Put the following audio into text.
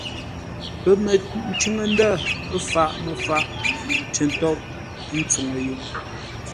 Pəməncʉŋ-ndə̂ faʼ məfaʼ cər ntôʼ, ə́ ntsuŋu yʉʼ.